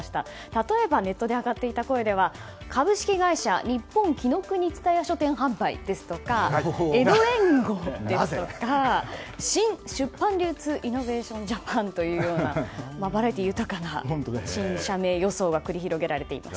例えばネットに上がっていた声では株式会社日本紀伊國蔦屋書店販売ですとか江戸連合ですとかシン・出版流通イノベーションジャパンというようなバラエティー豊かな新社名予想が繰り広げられていました。